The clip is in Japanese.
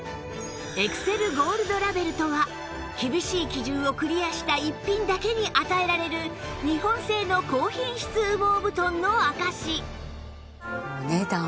エクセルゴールドラベルとは厳しい基準をクリアした逸品だけに与えられる日本製の高品質羽毛布団の証し